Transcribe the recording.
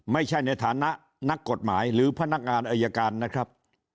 ในฐานะนักกฎหมายหรือพนักงานอายการนะครับ